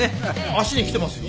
足にきてますよ？